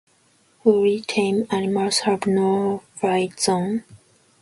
Fully tame animals have no flight zone.